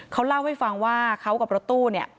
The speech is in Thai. เขาเล่าให้ฟังว่าเขากับรถตู้เนี่ย